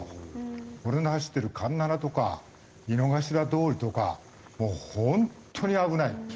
俺の走ってる環七とか井ノ頭通りとかもう本当に危ない。